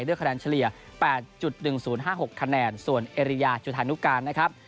ด้วยคะแนนเฉลี่ย๘๑๐๕๖คะแนนส่วนเอริยาจุธานุการนะครับ